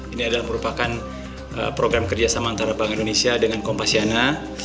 ini adalah merupakan program kerjasama antara bank indonesia dengan kompasyana